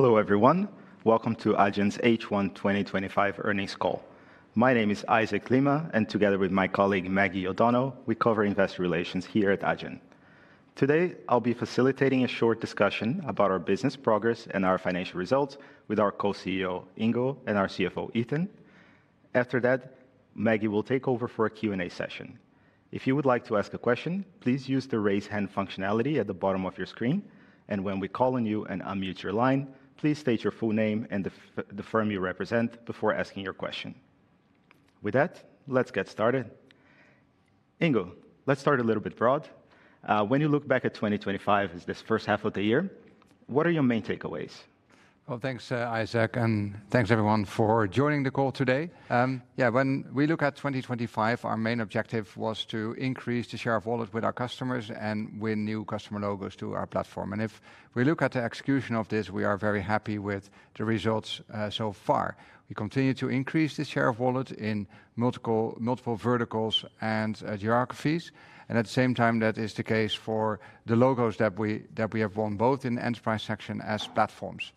Hello everyone, welcome to Adyen's H1 2025 Earnings Call. My name is Isaac Lima, and together with my colleague Maggie O'Donnell, we cover investor relations here at Adyen. Today, I'll be facilitating a short discussion about our business progress and our financial results with our Co-CEO, Ingo, and our CFO, Ethan. After that, Maggie will take over for a Q&A session. If you would like to ask a question, please use the raise hand functionality at the bottom of your screen, and when we call on you and unmute your line, please state your full name and the firm you represent before asking your question. With that, let's get started. Ingo, let's start a little bit broad. When you look back at 2025, this first half of the year, what are your main takeaways? Thank you, Isaac, and thank you everyone for joining the call today. When we look at 2025, our main objective was to increase the share of wallet with our customers and win new customer logos to our platform. If we look at the execution of this, we are very happy with the results so far. We continue to increase the share of wallet in multiple verticals and geographies, and at the same time, that is the case for the logos that we have won both in the enterprise section as platforms.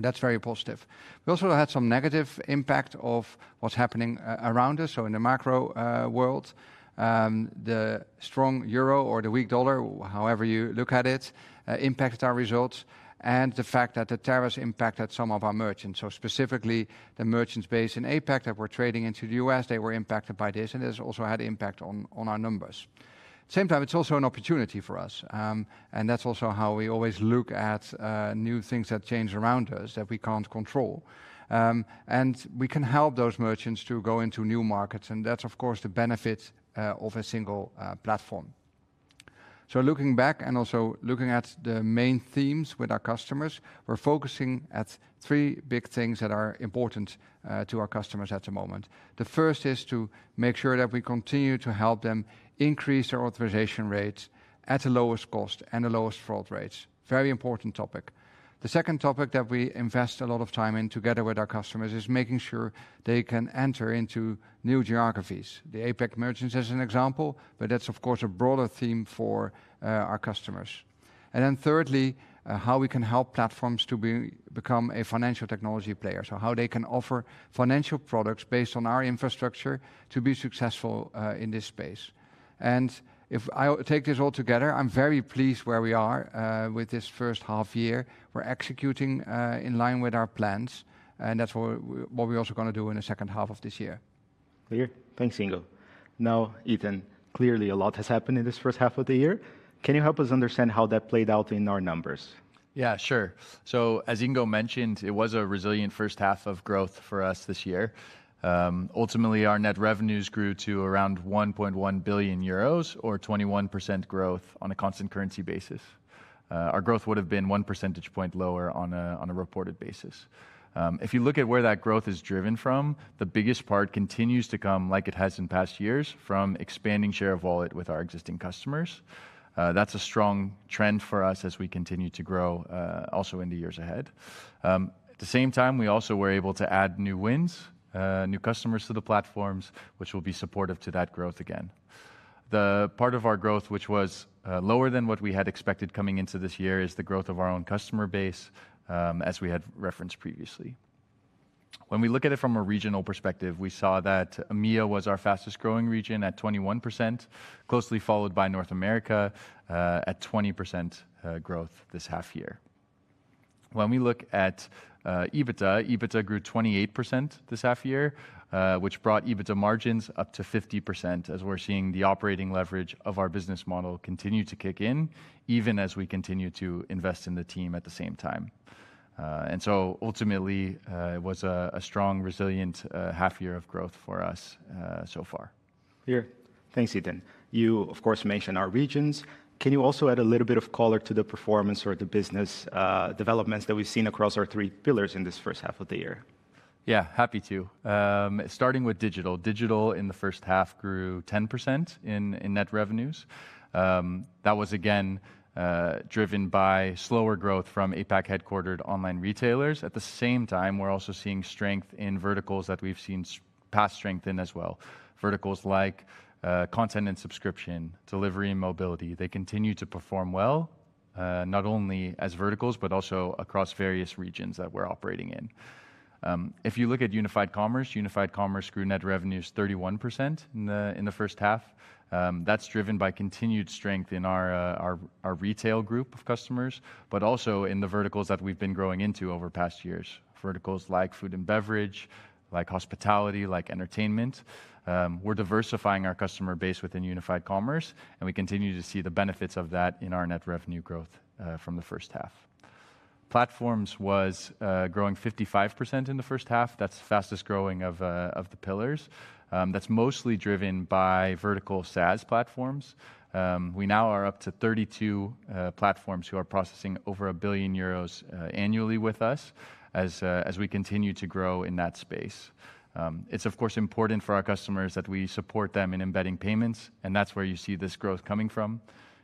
That is very positive. We also had some negative impacts of what is happening around us. In the macro world, the strong euro or the weak dollar, however you look at it, impacted our results, and the fact that the tariffs impacted some of our merchants. Specifically, the merchants based in APAC that were trading into the U.S., they were impacted by this, and it has also had an impact on our numbers. At the same time, it is also an opportunity for us, and that is also how we always look at new things that change around us that we cannot control. We can help those merchants to go into new markets, and that is, of course, the benefit of a single platform. Looking back and also looking at the main themes with our customers, we are focusing on three big things that are important to our customers at the moment. The first is to make sure that we continue to help them increase their authorization rates at the lowest cost and the lowest fraud rates. Very important topic. The second topic that we invest a lot of time in together with our customers is making sure they can enter into new geographies. The APAC merchants is an example, but that is, of course, a broader theme for our customers. Thirdly, how we can help Platforms to become a financial technology player, so how they can offer financial products based on our infrastructure to be successful in this space. If I take this all together, I am very pleased where we are with this first half year. We are executing in line with our plans, and that is what we are also going to do in the second half of this year. Clear. Thanks, Ingo. Now, Ethan, clearly a lot has happened in this first half of the year. Can you help us understand how that played out in our numbers? Yeah, sure. As Ingo mentioned, it was a resilient first-half of growth for us this year. Ultimately, our net revenues grew to around 1.1 billion euros, or 21% growth on a constant currency basis. Our growth would have been one percentage point lower on a reported basis. If you look at where that growth is driven from, the biggest part continues to come like it has in past years from expanding share of wallet with our existing customers. That's a strong trend for us as we continue to grow also in the years ahead. At the same time, we also were able to add new wins, new customers to the platforms, which will be supportive to that growth again. The part of our growth which was lower than what we had expected coming into this year is the growth of our own customer base, as we had referenced previously. When we look at it from a regional perspective, we saw that EMEA was our fastest growing region at 21%, closely followed by North America at 20% growth this half-year. When we look at EBITDA: EBITDA grew 28% this half-year, which brought EBITDA margins up to 50%, as we're seeing the operating leverage of our business model continue to kick in, even as we continue to invest in the team at the same time. Ultimately, it was a strong, resilient half-year of growth for us so far. Thanks, Ethan. You, of course, mentioned our regions. Can you also add a little bit of color to the performance or the business developments that we've seen across our three pillars in this first half of the year? Yeah, happy to. Starting with Digital, Digital in the first-half grew 10% in net revenues. That was again driven by slower growth from APAC-headquartered online retailers. At the same time, we're also seeing strength in verticals that we've seen past strength in as well. Verticals like content and subscription, delivery and mobility, they continue to perform well, not only as verticals, but also across various regions that we're operating in. If you look at Unified Commerce, Unified Commerce grew net revenues 31% in the first-half. That's driven by continued strength in our retail group of customers, but also in the verticals that we've been growing into over past years. Verticals like food and beverage, like hospitality, like entertainment, we're diversifying our customer base within Unified Commerce, and we continue to see the benefits of that in our net revenue growth from the first-half. Platforms was growing 55% in the first-half. That's the fastest growing of the pillars. That's mostly driven by vertical SaaS platforms. We now are up to 32 platforms who are processing over €1 billion annually with us as we continue to grow in that space. It's, of course, important for our customers that we support them in embedding payments, and that's where you see this growth coming from.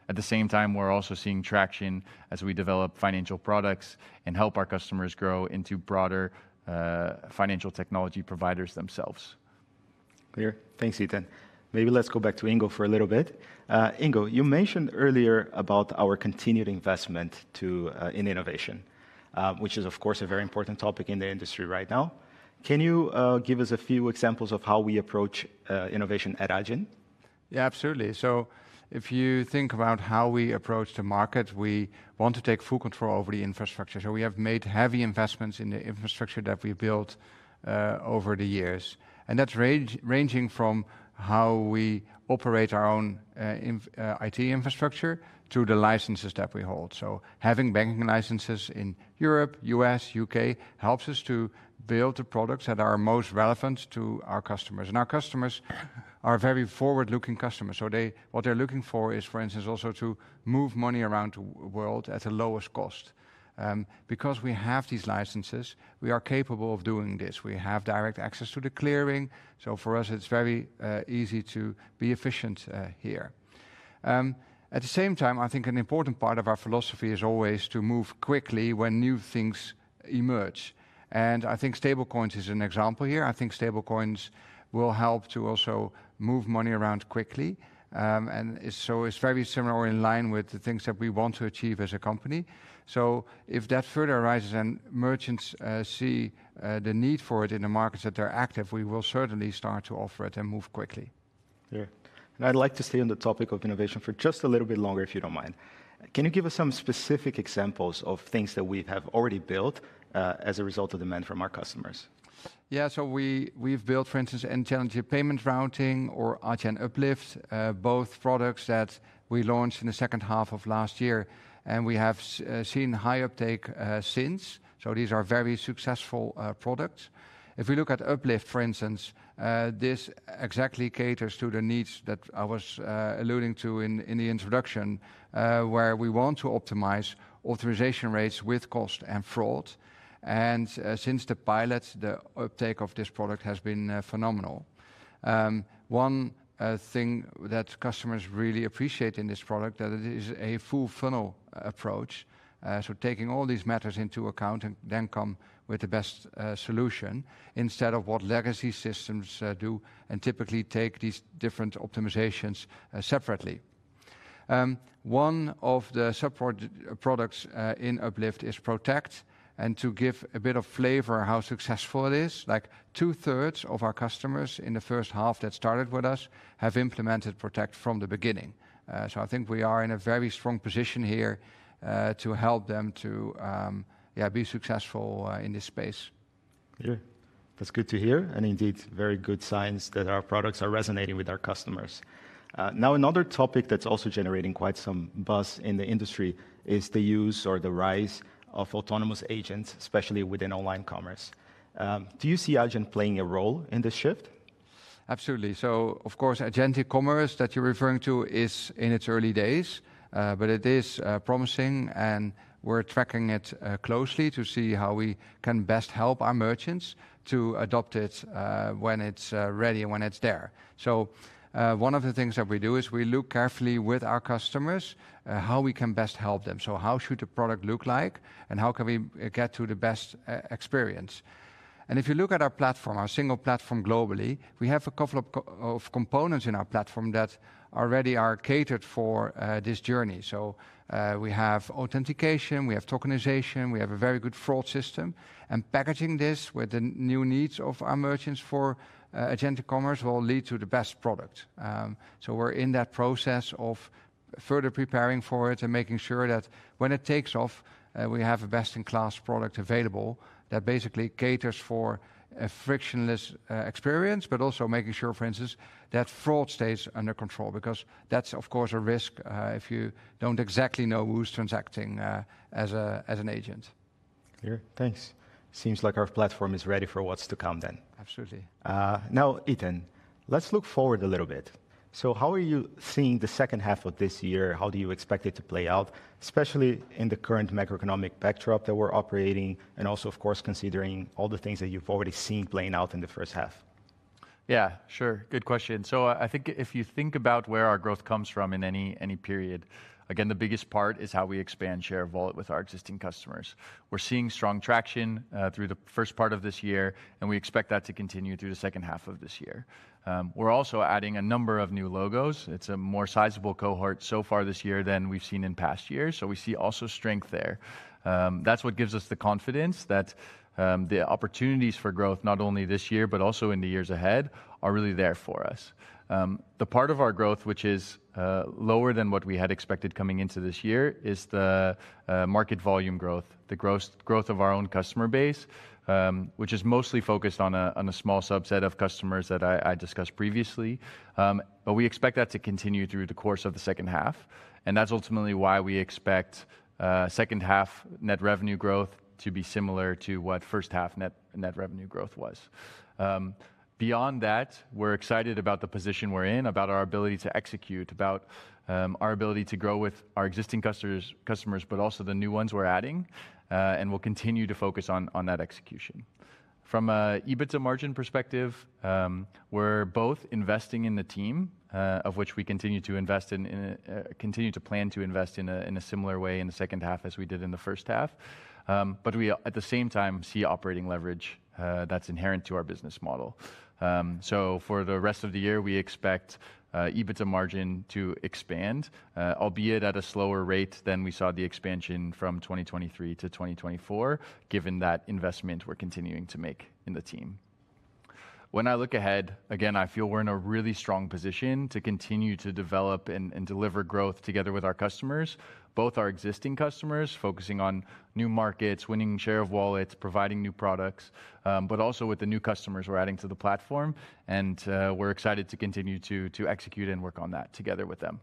At the same time, we're also seeing traction as we develop financial products and help our customers grow into broader financial technology providers themselves. Thanks, Ethan. Maybe let's go back to Ingo for a little bit. Ingo, you mentioned earlier about our continued investment in innovation, which is, of course, a very important topic in the industry right now. Can you give us a few examples of how we approach innovation at Adyen? Yeah, absolutely. If you think about how we approach the market, we want to take full control over the infrastructure. We have made heavy investments in the infrastructure that we built over the years. That's ranging from how we operate our own IT infrastructure to the licenses that we hold. Having banking licenses in Europe, U.S., and U.K. helps us to build the products that are most relevant to our customers. Our customers are very forward-looking customers. What they're looking for is, for instance, also to move money around the world at the lowest cost. Because we have these licenses, we are capable of doing this. We have direct access to the clearing. For us, it's very easy to be efficient here. At the same time, I think an important part of our philosophy is always to move quickly when new things emerge. I think stablecoins is an example here. I think stablecoins will help to also move money around quickly. It's very similar in line with the things that we want to achieve as a company. If that further arises and merchants see the need for it in the markets that they're active, we will certainly start to offer it and move quickly. Here, I'd like to stay on the topic of innovation for just a little bit longer, if you don't mind. Can you give us some specific examples of things that we have already built as a result of demand from our customers? Yeah, so we've built, for instance, end-to-end payment routing or Adyen Uplift, both products that we launched in the second half of last year. We have seen high uptake since. These are very successful products. If you look at Uplift, for instance, this exactly caters to the needs that I was alluding to in the introduction, where we want to optimize authorization rates with cost and fraud. Since the pilot, the uptake of this product has been phenomenal. One thing that customers really appreciate in this product is that it is a full-funnel approach, taking all these matters into account and then coming with the best solution instead of what legacy systems do, which typically take these different optimizations separately. One of the support products in Uplift is Protect, and to give a bit of flavor on how successful it is, like 2/3 of our customers in the first-half that started with us have implemented Protect from the beginning. I think we are in a very strong position here to help them to be successful in this space. That's good to hear, and indeed very good signs that our products are resonating with our customers. Now, another topic that's also generating quite some buzz in the industry is the use or the rise of autonomous agents, especially within online commerce. Do you see Adyen playing a role in this shift? Absolutely. Of course, Adyen eCommerce that you're referring to is in its early days, but it is promising, and we're tracking it closely to see how we can best help our merchants to adopt it when it's ready and when it's there. One of the things that we do is we look carefully with our customers at how we can best help them. How should the product look, and how can we get to the best experience? If you look at our platform, our single platform globally, we have a couple of components in our platform that already are catered for this journey. We have authentication, we have tokenization, we have a very good fraud system, and packaging this with the new needs of our merchants for Adyen eCommerce will lead to the best product. We're in that process of further preparing for it and making sure that when it takes off, we have a best-in-class product available that basically caters for a frictionless experience, but also making sure, for instance, that fraud stays under control because that's, of course, a risk if you don't exactly know who's transacting as an agent. Here, thanks. Seems like our platform is ready for what's to come then. Absolutely. Now, Ethan, let's look forward a little bit. How are you seeing the second half of this year? How do you expect it to play out, especially in the current macro-economic backdrop that we're operating in and also, of course, considering all the things that you've already seen playing out in the first-half? Yeah, sure, good question. If you think about where our growth comes from in any period, again, the biggest part is how we expand share of wallet with our existing customers. We're seeing strong traction through the first part of this year, and we expect that to continue through the second half of this year. We're also adding a number of new logos. It's a more sizable cohort so far this year than we've seen in past years, so we see also strength there. That's what gives us the confidence that the opportunities for growth, not only this year, but also in the years ahead, are really there for us. The part of our growth which is lower than what we had expected coming into this year is the market volume growth, the growth of our own customer base, which is mostly focused on a small subset of customers that I discussed previously. We expect that to continue through the course of the second half, and that's ultimately why we expect second-half net revenue growth to be similar to what first-half net revenue growth was. Beyond that, we're excited about the position we're in, about our ability to execute, about our ability to grow with our existing customers, but also the new ones we're adding, and we'll continue to focus on that execution. From an EBITDA margin perspective, we're both investing in the team, of which we continue to invest in, continue to plan to invest in a similar way in the second-half as we did in the first-half. At the same time, we see operating leverage that's inherent to our business model. For the rest of the year, we expect EBITDA margin to expand, albeit at a slower rate than we saw the expansion from 2023-2024, given that investment we're continuing to make in the team. When I look ahead, again, I feel we're in a really strong position to continue to develop and deliver growth together with our customers, both our existing customers focusing on new markets, winning share of wallet, providing new products, but also with the new customers we're adding to the platform, and we're excited to continue to execute and work on that together with them.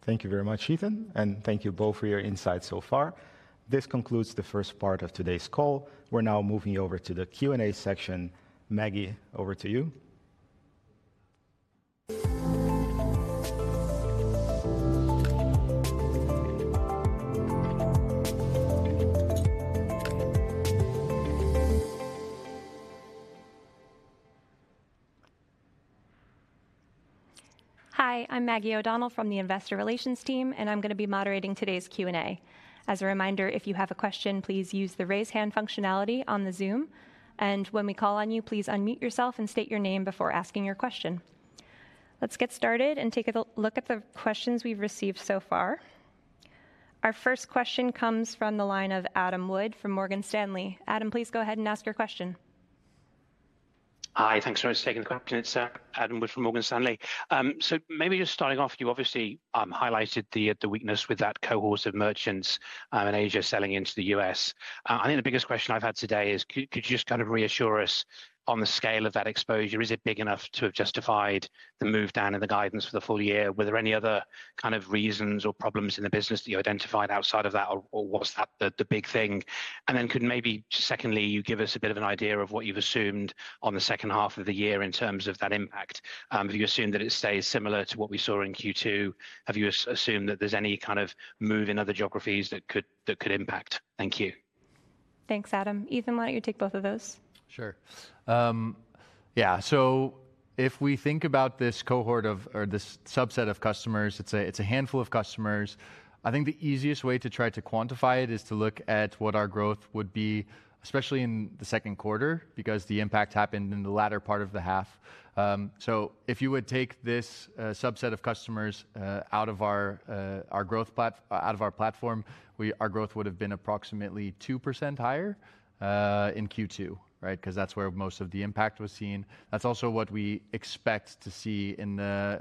Thank you very much, Ethan, and thank you both for your insights so far. This concludes the first part of today's call. We're now moving over to the Q&A section. Maggie, over to you. Hi, I'm Maggie O'Donnell from the investor ielations team, and I'm going to be moderating today's Q&A. As a reminder, if you have a question, please use the raise hand functionality on Zoom, and when we call on you, please unmute yourself and state your name before asking your question. Let's get started and take a look at the questions we've received so far. Our first question comes from the line of Adam Wood from Morgan Stanley. Adam, please go ahead and ask your question. Hi, thanks for asking the question. It's Adam Wood from Morgan Stanley. Maybe just starting off, you obviously highlighted the weakness with that cohort of merchants in Asia selling into the U.S. I think the biggest question I've had today is, could you just kind of reassure us on the scale of that exposure? Is it big enough to have justified the move down in the guidance for the full year? Were there any other reasons or problems in the business that you identified outside of that, or was that the big thing? Could you maybe, secondly, give us a bit of an idea of what you've assumed on the second half of the year in terms of that impact? Have you assumed that it stays similar to what we saw in Q2? Have you assumed that there's any kind of move in other geographies that could impact? Thank you. Thanks, Adam. Ethan, why don't you take both of those? Sure. If we think about this cohort of, or this subset of customers, it's a handful of customers. I think the easiest way to try to quantify it is to look at what our growth would be, especially in the second quarter, because the impact happened in the latter part of the half. If you would take this subset of customers out of our growth platform, our growth would have been approximately 2% higher in Q2, right? That's where most of the impact was seen. That's also what we expect to see and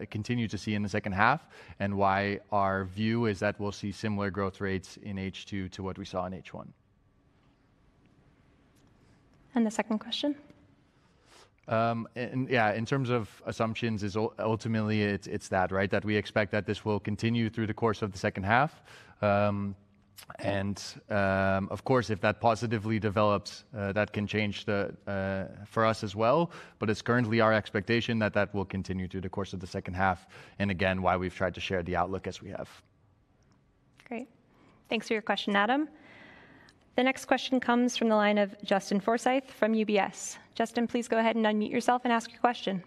continue to see in the second-half, and why our view is that we'll see similar growth rates in H2 to what we saw in H1. The second question? Yeah, in terms of assumptions, ultimately it's that, right? We expect that this will continue through the course of the second-half. Of course, if that positively develops, that can change for us as well, but it's currently our expectation that that will continue through the course of the second-half, and again, why we've tried to share the outlook as we have. Great. Thanks for your question, Adam. The next question comes from the line of Justin Forsythe from UBS. Justin, please go ahead and unmute yourself and ask your question.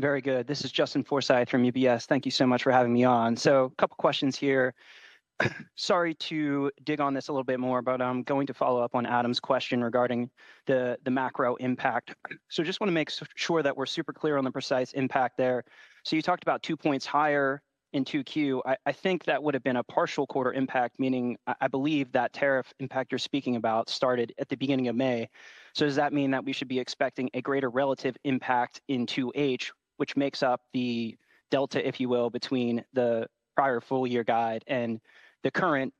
Very good. This is Justin Forsythe from UBS. Thank you so much for having me on. A couple of questions here. Sorry to dig on this a little bit more, but I'm going to follow up on Adam's question regarding the macro impact. I just want to make sure that we're super clear on the precise impact there. You talked about two points higher in Q2. I think that would have been a partial quarter impact, meaning I believe that tariff impact you're speaking about started at the beginning of May. Does that mean that we should be expecting a greater relative impact in 2H, which makes up the delta, if you will, between the prior full-year guide and the current?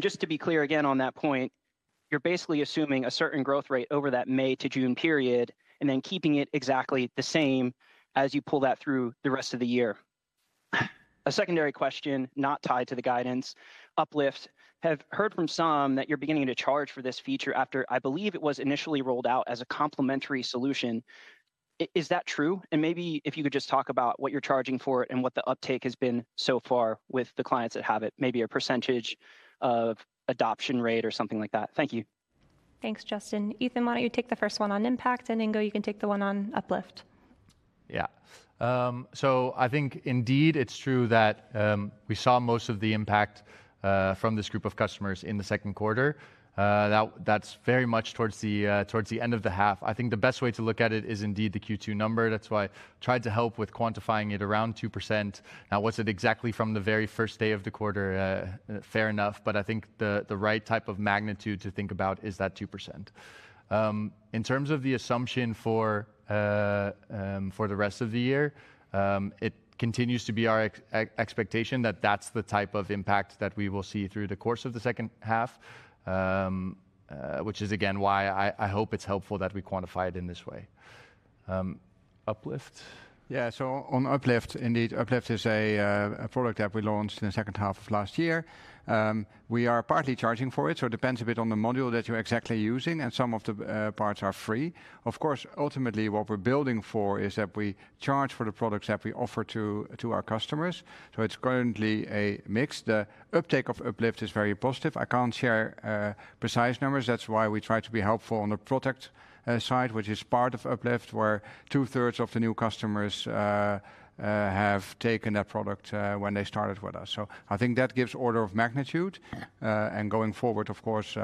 Just to be clear again on that point, you're basically assuming a certain growth rate over that May-June period and then keeping it exactly the same as you pull that through the rest of the year. A secondary question, not tied to the guidance, Uplift. I have heard from some that you're beginning to charge for this feature after I believe it was initially rolled out as a complimentary solution. Is that true? Maybe if you could just talk about what you're charging for it and what the uptake has been so far with the clients that have it, maybe a percentage of adoption rate or something like that. Thank you. Thanks, Justin. Ethan, why don't you take the first one on impact, and Ingo, you can take the one on Uplift. Yeah. I think indeed it's true that we saw most of the impact from this group of customers in the second quarter. That's very much towards the end of the half. I think the best way to look at it is indeed the Q2 number. That's why I tried to help with quantifying it around 2%. Now, was it exactly from the very first day of the quarter? Fair enough. I think the right type of magnitude to think about is that 2%. In terms of the assumption for the rest of the year, it continues to be our expectation that that's the type of impact that we will see through the course of the second-half, which is again why I hope it's helpful that we quantify it in this way. Uplift? Yeah, so on Uplift, indeed, Uplift is a product that we launched in the second half of last year. We are partly charging for it, so it depends a bit on the module that you're exactly using, and some of the parts are free. Of course, ultimately what we're building for is that we charge for the products that we offer to our customers. It's currently a mix. The uptake of Uplift is very positive. I can't share precise numbers. That's why we try to be helpful on the product side, which is part of Uplift, where 2/3 of the new customers have taken that product when they started with us. I think that gives order of magnitude. Going forward, of course,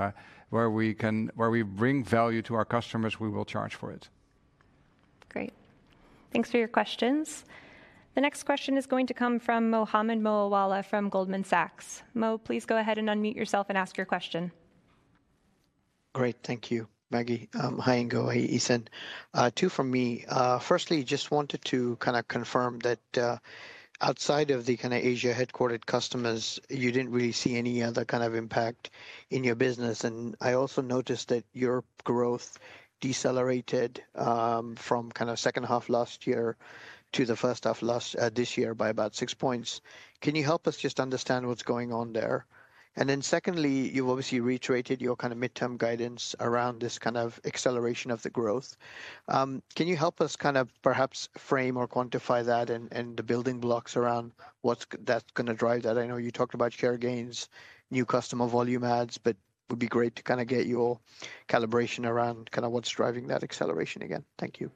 where we bring value to our customers, we will charge for it. Great. Thanks for your questions. The next question is going to come from Mohammed Moawalla from Goldman Sachs. Moh, please go ahead and unmute yourself and ask your question. Great, thank you, Maggie. Hi, Ingo. Hi, Ethan. Two from me. Firstly, I just wanted to confirm that outside of the Asia-headquartered customers, you didn't really see any other impact in your business. I also noticed that your growth decelerated from the second-half last year to the first-half this year by about six points. Can you help us understand what's going on there? Secondly, you've obviously reiterated your midterm guidance around this acceleration of the growth. Can you help us perhaps frame or quantify that and the building blocks around what's going to drive that? I know you talked about share gains, new customer volume adds, but it would be great to get your calibration around what's driving that acceleration again. Thank you.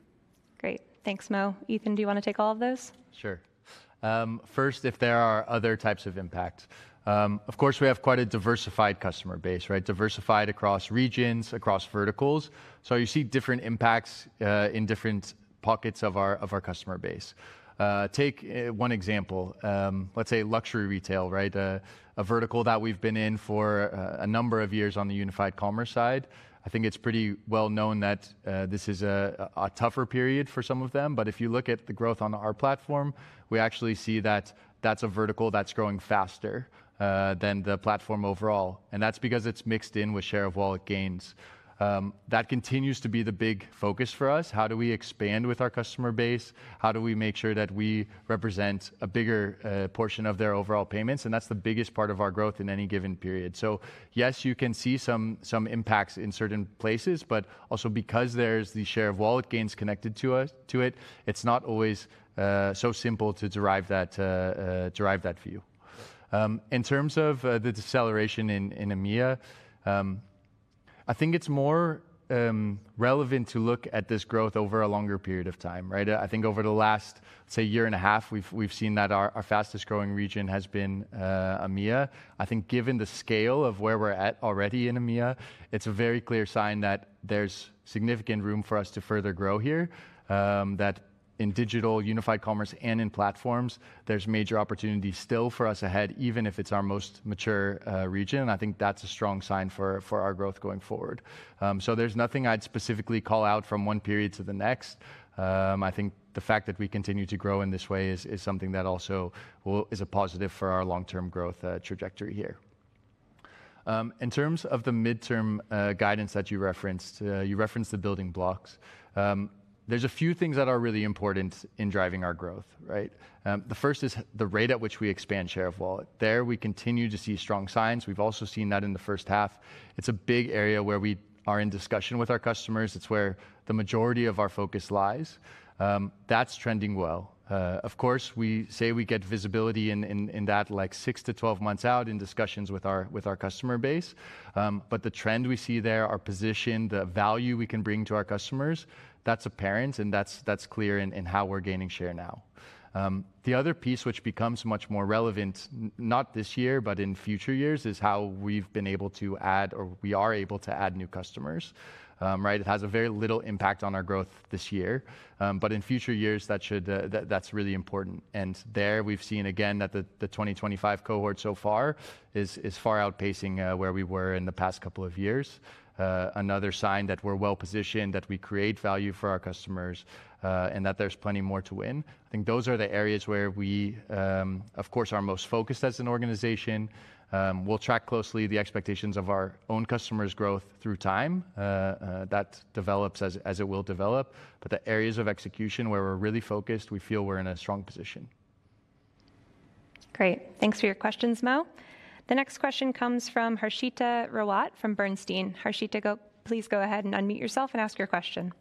Great. Thanks, Moh. Ethan, do you want to take all of those? Sure. First, if there are other types of impacts. Of course, we have quite a diversified customer base, right? Diversified across regions, across verticals. You see different impacts in different pockets of our customer base. Take one example. Let's say luxury retail, right? A vertical that we've been in for a number of years on the Unified Commerce side. I think it's pretty well known that this is a tougher period for some of them. If you look at the growth on our platform, we actually see that that's a vertical that's growing faster than the platform overall. That's because it's mixed in with share of wallet gains. That continues to be the big focus for us. How do we expand with our customer base? How do we make sure that we represent a bigger portion of their overall payments? That's the biggest part of our growth in any given period. You can see some impacts in certain places, but also because there's the share of wallet gains connected to it, it's not always so simple to derive that for you. In terms of the deceleration in EMEA, I think it's more relevant to look at this growth over a longer period of time, right? Over the last, say, year and a half, we've seen that our fastest growing region has been EMEA. I think given the scale of where we're at already in EMEA, it's a very clear sign that there's significant room for us to further grow here, that in Digital, Unified Commerce, and in Platforms, there's major opportunities still for us ahead, even if it's our most mature region. I think that's a strong sign for our growth going forward. There's nothing I'd specifically call out from one period to the next. The fact that we continue to grow in this way is something that also is a positive for our long-term growth trajectory here. In terms of the midterm guidance that you referenced, you referenced the building blocks. There are a few things that are really important in driving our growth, right? The first is the rate at which we expand share of wallet. There we continue to see strong signs. We've also seen that in the first half. It's a big area where we are in discussion with our customers. It's where the majority of our focus lies. That's trending well. We say we get visibility in that like six to 12 months out in discussions with our customer base. The trend we see there, our position, the value we can bring to our customers, that's apparent and that's clear in how we're gaining share now. The other piece which becomes much more relevant, not this year, but in future years, is how we've been able to add or we are able to add new customers, right? It has very little impact on our growth this year. In future years, that's really important. There we've seen again that the 2025 cohort so far is far outpacing where we were in the past couple of years. Another sign that we're well positioned, that we create value for our customers, and that there's plenty more to win. I think those are the areas where we, of course, are most focused as an organization. We'll track closely the expectations of our own customers' growth through time. That develops as it will develop. The areas of execution where we're really focused, we feel we're in a strong position. Great. Thanks for your questions, Moh. The next question comes from Harshita Rawat from Bernstein. Harshita, please go ahead and unmute yourself and ask your question.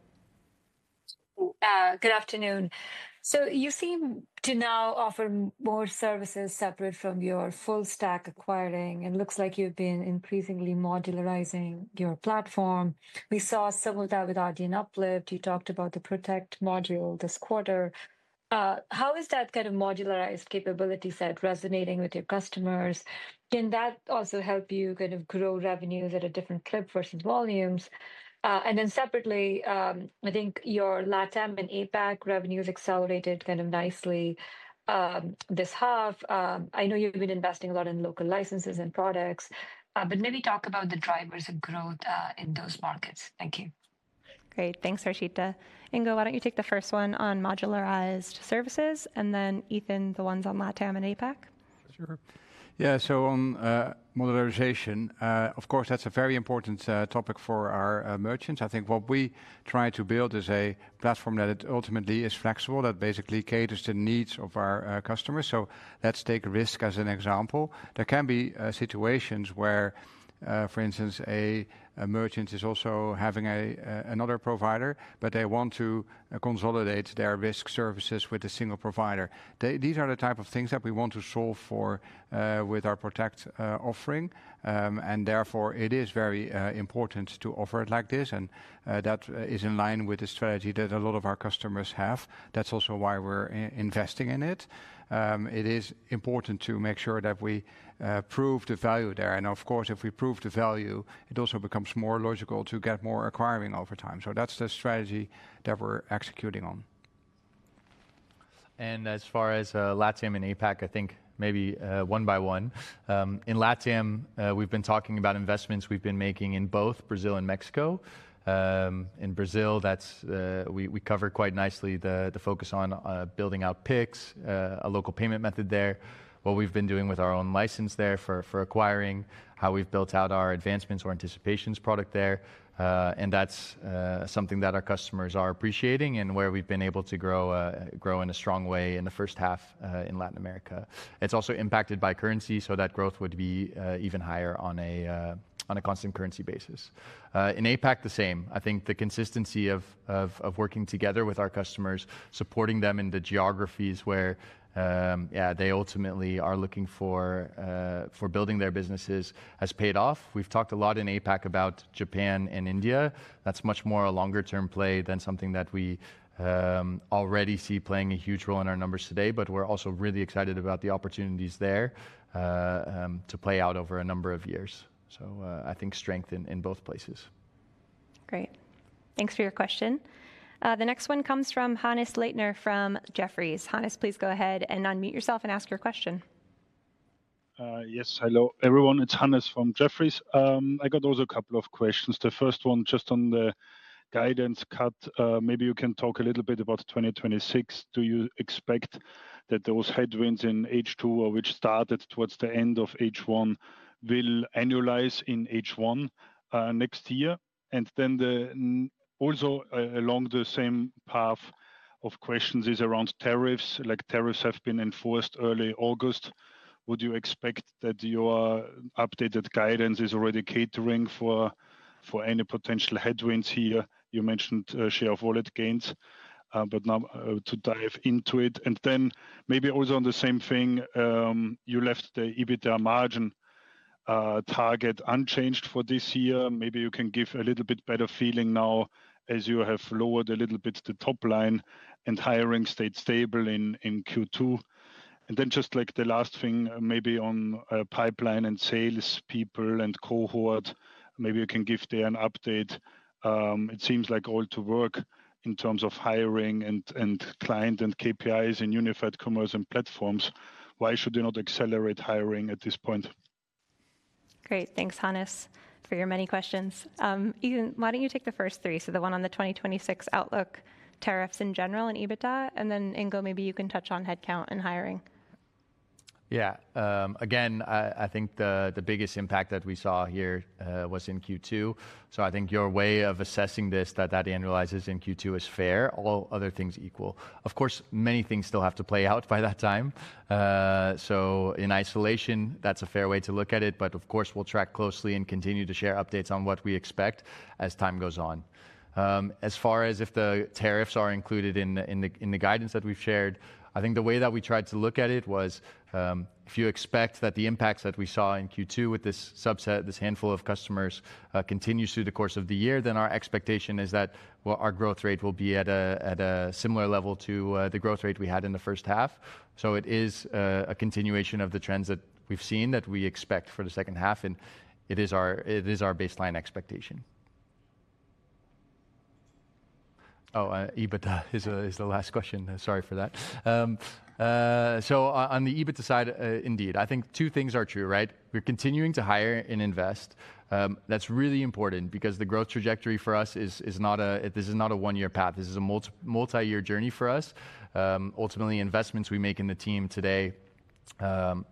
Good afternoon. You seem to now offer more services separate from your full stack acquiring. It looks like you've been increasingly modularizing your platform. We saw some of that with Adyen Uplift. You talked about the Protect module this quarter. How is that kind of modularized capability set resonating with your customers? Can that also help you grow revenues at a different clip versus volumes? Separately, I think your LATAM and APAC revenues accelerated nicely this half. I know you've been investing a lot in local licenses and products, but maybe talk about the drivers of growth in those markets. Thank you. Great. Thanks, Harshita. Ingo, why don't you take the first one on modularized services and then Ethan, the ones on LATAM and APAC? Sure. Yeah, on modularization, of course, that's a very important topic for our merchants. I think what we try to build is a platform that ultimately is flexible, that basically caters to the needs of our customers. Let's take risk as an example. There can be situations where, for instance, a merchant is also having another provider, but they want to consolidate their risk services with a single provider. These are the type of things that we want to solve for with our Protect offering. It is very important to offer it like this. That is in line with the strategy that a lot of our customers have. That's also why we're investing in it. It is important to make sure that we prove the value there. If we prove the value, it also becomes more logical to get more acquiring over time. That's the strategy that we're executing on. As far as LATAM and APAC, I think maybe one by one. In LATAM, we've been talking about investments we've been making in both Brazil and Mexico. In Brazil, we cover quite nicely the focus on building out Pix, a local payment method there, what we've been doing with our own license there for acquiring, how we've built out our advancements or anticipations product there. That's something that our customers are appreciating and where we've been able to grow in a strong way in the first-half in Latin America. It's also impacted by currency, so that growth would be even higher on a constant currency basis. In APAC, the same. I think the consistency of working together with our customers, supporting them in the geographies where they ultimately are looking for building their businesses has paid off. We've talked a lot in APAC about Japan and India. That's much more a longer-term play than something that we already see playing a huge role in our numbers today, but we're also really excited about the opportunities there to play out over a number of years. I think strength in both places. Great. Thanks for your question. The next one comes from Hannes Leitner from Jefferies. Hannes, please go ahead and unmute yourself and ask your question. Yes, hello everyone. It's Hannes from Jefferies. I got also a couple of questions. The first one just on the guidance cut. Maybe you can talk a little bit about 2026. Do you expect that those headwinds in H2, which started towards the end of H1, will annualize in H1 next year? Also, along the same path of questions is around tariffs. Like tariffs have been enforced early August. Would you expect that your updated guidance is already catering for any potential headwinds here? You mentioned share of wallet gains, but now to dive into it. Maybe also on the same thing, you left the EBITDA margin target unchanged for this year. Maybe you can give a little bit better feeling now as you have lowered a little bit the top line and hiring stayed stable in Q2. Just like the last thing, maybe on pipeline and salespeople and cohort, maybe you can give there an update. It seems like all to work in terms of hiring and client and KPIs in Unified Commerce and Platforms. Why should you not accelerate hiring at this point? Great. Thanks, Hannes, for your many questions. Ethan, why don't you take the first three? The one on the 2026 outlook, tariffs in general, and EBITDA, and then Ingo, maybe you can touch on headcount and hiring. Yeah, again, I think the biggest impact that we saw here was in Q2. I think your way of assessing this, that that annualizes in Q2, is fair, all other things equal. Of course, many things still have to play out by that time. In isolation, that's a fair way to look at it. Of course, we'll track closely and continue to share updates on what we expect as time goes on. As far as if the tariffs are included in the guidance that we've shared, I think the way that we tried to look at it was if you expect that the impacts that we saw in Q2 with this subset, this handful of customers, continue through the course of the year, then our expectation is that our growth rate will be at a similar level to the growth rate we had in the first-half. It is a continuation of the trends that we've seen that we expect for the second half, and it is our baseline expectation. Oh, EBITDA is the last question. Sorry for that. On the EBITDA side, indeed, I think two things are true, right? We're continuing to hire and invest. That's really important because the growth trajectory for us is not a one-year path. This is a multi-year journey for us. Ultimately, investments we make in the team today,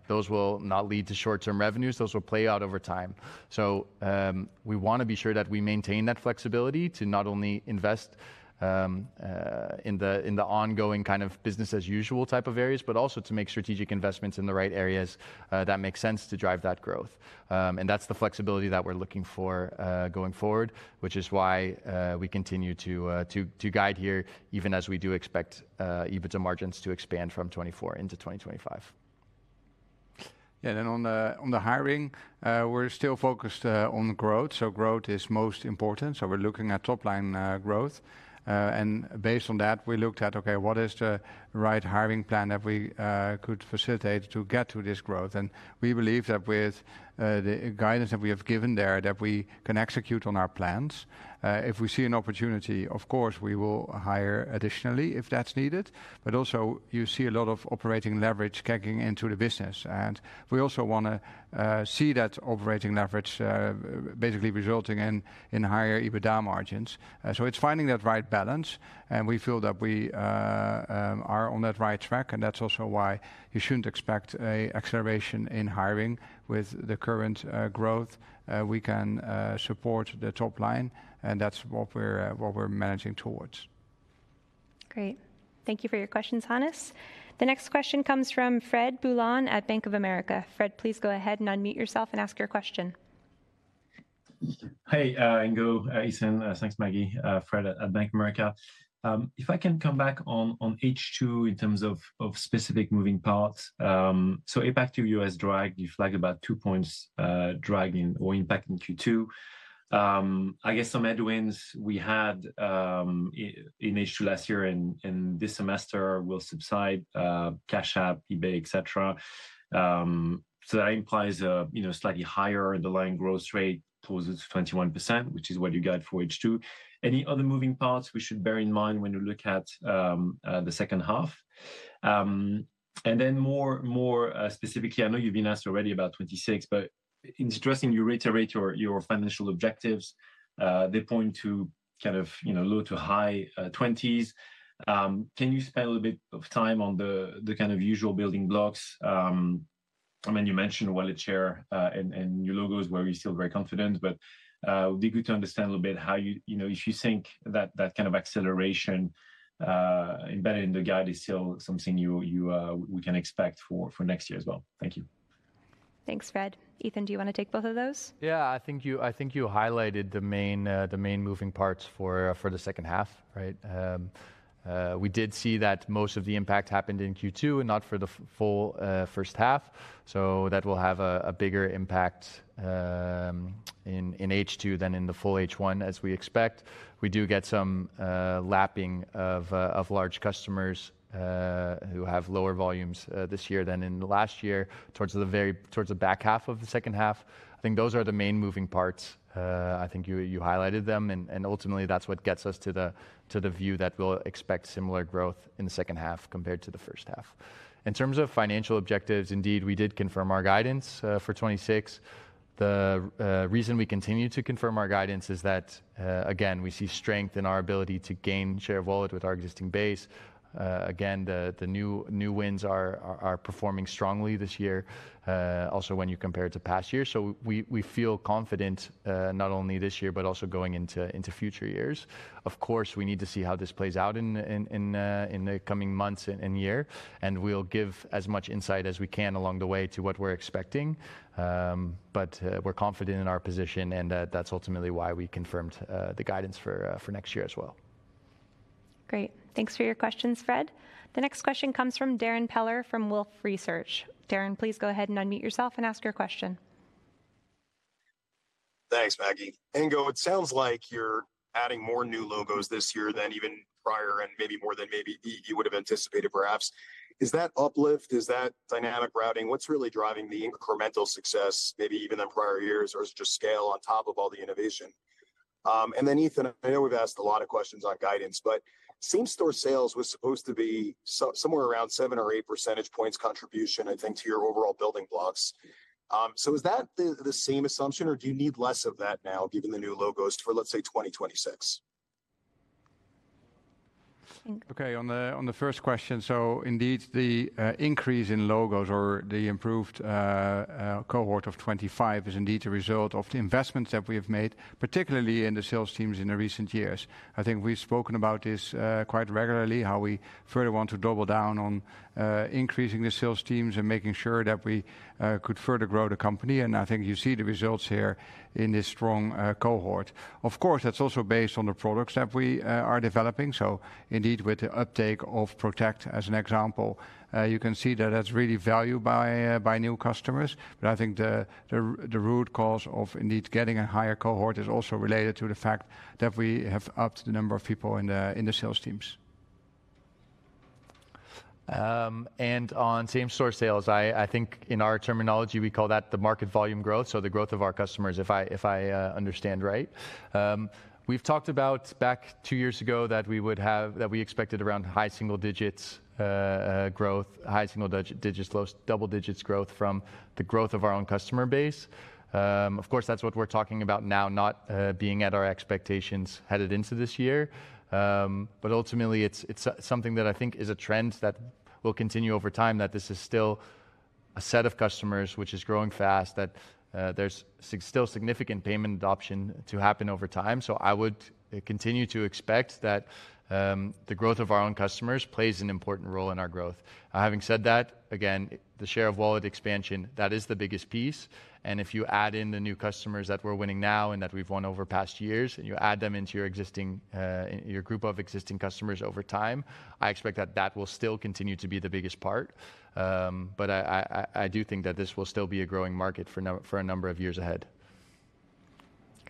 those will not lead to short-term revenues. Those will play out over time. We want to be sure that we maintain that flexibility to not only invest in the ongoing kind of business as usual type of areas, but also to make strategic investments in the right areas that make sense to drive that growth. That's the flexibility that we're looking for going forward, which is why we continue to guide here, even as we do expect EBITDA margins to expand from 2024 into 2025. Yeah, and then on the hiring, we're still focused on growth. Growth is most important. We're looking at top-line growth, and based on that, we looked at, okay, what is the right hiring plan that we could facilitate to get to this growth? We believe that with the guidance that we have given there, we can execute on our plans. If we see an opportunity, of course, we will hire additionally if that's needed. You see a lot of operating leverage kicking into the business. We also want to see that operating leverage basically resulting in higher EBITDA margins. It's finding that right balance, and we feel that we are on that right track. That's also why you shouldn't expect an acceleration in hiring. With the current growth, we can support the top-line, and that's what we're managing towards. Great. Thank you for your questions, Hannes. The next question comes from Fred Boulan at Bank of America. Fred, please go ahead and unmute yourself and ask your question. Hey, Ingo, Ethan, thanks, Maggie. Fred at Bank of America. If I can come back on H2 in terms of specific moving parts. APAC to U.S. drag, you flagged about two points dragging or impacting Q2. I guess some headwinds we had in H2 last year and this semester will subside. Cash App, eBay, etc. That implies a slightly higher underlying growth rate towards 21%, which is what you got for H2. Any other moving parts we should bear in mind when you look at the second half? More specifically, I know you've been asked already about 2026, but it's interesting you reiterate your financial objectives. They point to kind of low to high 20s. Can you spend a little bit of time on the kind of usual building blocks? You mentionedwallet share and new logos where you're still very confident, but it would be good to understand a little bit how you, you know, if you think that that kind of acceleration embedded in the guide is still something we can expect for next year as well. Thank you. Thanks, Fred. Ethan, do you want to take both of those? Yeah, I think you highlighted the main moving parts for the second-half, right? We did see that most of the impact happened in Q2 and not for the full first-half. That will have a bigger impact in H2 than in the full H1, as we expect. We do get some lapping of large customers who have lower volumes this year than in the last year towards the back-half of the second-half. I think those are the main moving parts. I think you highlighted them, and ultimately that's what gets us to the view that we'll expect similar growth in the second-half compared to the first-half. In terms of financial objectives, indeed, we did confirm our guidance for 2026. The reason we continue to confirm our guidance is that, again, we see strength in our ability to gain share of wallet with our existing base. Again, the new wins are performing strongly this year, also when you compare to past years. We feel confident not only this year, but also going into future years. Of course, we need to see how this plays out in the coming months and year, and we'll give as much insight as we can along the way to what we're expecting. We're confident in our position, and that's ultimately why we confirmed the guidance for next year as well. Great. Thanks for your questions, Fred. The next question comes from Darrin Peller from Wolfe Research. Darrin, please go ahead and unmute yourself and ask your question. Thanks, Maggie. Ingo, it sounds like you're adding more new logos this year than even prior, and maybe more than maybe you would have anticipated perhaps. Is that Adyen Uplift? Is that dynamic routing? What's really driving the incremental success, maybe even in prior years, or is it just scale on top of all the innovation? Ethan, I know we've asked a lot of questions on guidance, but same store sales was supposed to be somewhere around 7 or 8 percentage points contribution, I think, to your overall building blocks. Is that the same assumption, or do you need less of that now given the new logos for, let's say, 2026? Okay, on the first question, so indeed the increase in logos or the improved cohort of 2025 is indeed a result of the investments that we have made, particularly in the sales teams in the recent years. I think we've spoken about this quite regularly, how we further want to double down on increasing the sales teams and making sure that we could further grow the company. I think you see the results here in this strong cohort. Of course, that's also based on the products that we are developing. Indeed, with the uptake of Protect as an example, you can see that that's really valued by new customers. I think the root cause of indeed getting a higher cohort is also related to the fact that we have upped the number of people in the sales teams. On same store sales, I think in our terminology, we call that the market volume growth, so the growth of our customers, if I understand right. We talked about back two years ago that we expected around high single-digits growth, high single-digits, low double-digits growth from the growth of our own customer base. Of course, that's what we're talking about now, not being at our expectations headed into this year. Ultimately, it's something that I think is a trend that will continue over time, that this is still a set of customers which is growing fast, that there's still significant payment adoption to happen over time. I would continue to expect that the growth of our own customers plays an important role in our growth. Having said that, the share of wallet expansion, that is the biggest piece. If you add in the new customers that we're winning now and that we've won over past years, and you add them into your group of existing customers over time, I expect that will still continue to be the biggest part. I do think that this will still be a growing market for a number of years ahead.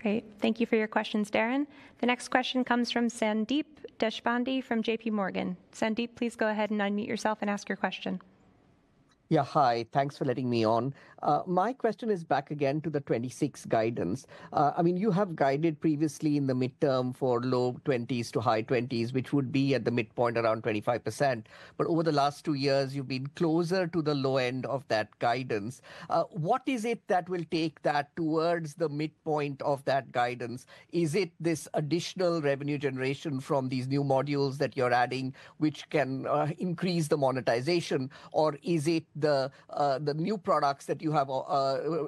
Great. Thank you for your questions, Darrin. The next question comes from Sandeep Deshpande from JPMorgan. Sandeep, please go ahead and unmute yourself and ask your question. Yeah, hi. Thanks for letting me on. My question is back again to the 2026 guidance. I mean, you have guided previously in the midterm for low 20s-high 20s, which would be at the midpoint around 25%. Over the last two years, you've been closer to the low-end of that guidance. What is it that will take that towards the midpoint of that guidance? Is it this additional revenue generation from these new modules that you're adding, which can increase the monetization, or is it the new products that you have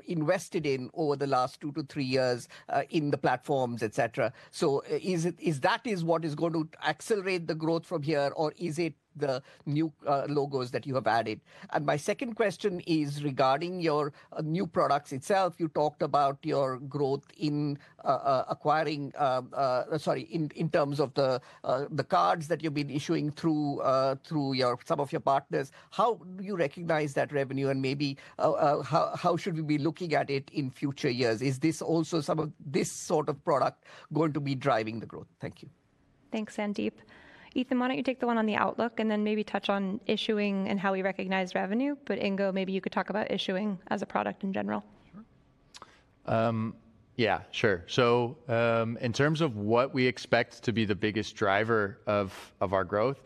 invested in over the last two to three years in the Platforms, etc.? Is that what is going to accelerate the growth from here, or is it the new logos that you have added? My second question is regarding your new products itself. You talked about your growth in acquiring, sorry, in terms of the cards that you've been issuing through some of your partners. How do you recognize that revenue, and maybe how should we be looking at it in future years? Is this also some of this sort of product going to be driving the growth? Thank you. Thanks, Sandeep. Ethan, why don't you take the one on the outlook and then maybe touch on issuing and how we recognize revenue? Ingo, maybe you could talk about issuing as a product in general. Yeah, sure. In terms of what we expect to be the biggest driver of our growth,